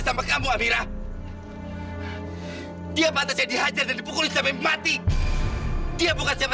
sampai jumpa di video selanjutnya